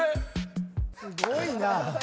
すごいな。